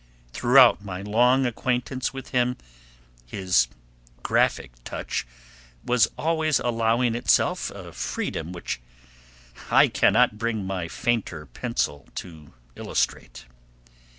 Throughout my long acquaintance with him his graphic touch was always allowing itself a freedom which I cannot bring my fainter pencil to illustrate.